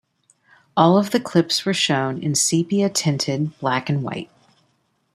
All of the clips were shown in sepia-tinted black and white.